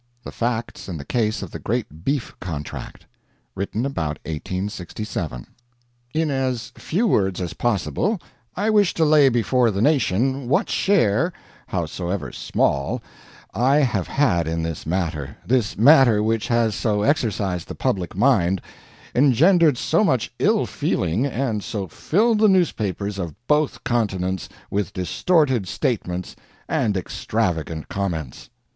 THE FACTS IN THE CASE OF THE GREAT BEEF CONTRACT [Written about 1867.] In as few words as possible I wish to lay before the nation what share, howsoever small, I have had in this matter this matter which has so exercised the public mind, engendered so much ill feeling, and so filled the newspapers of both continents with distorted statements and extravagant comments.